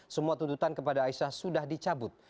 semua tuntutan kepada aisyah sudah dicabut